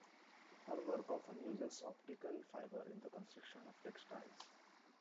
Her work often uses Optical Fiber in the construction of textiles.